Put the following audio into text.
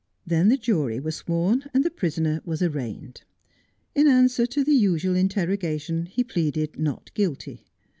Then the jury were sworn, and the prisoner was arraigned. In answer to the usual interrogation he pleaded not guilty.